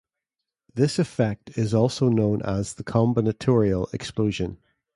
This effect is also known as the combinatorial explosion.